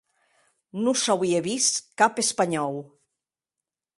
Non s'auie vist cap espanhòu.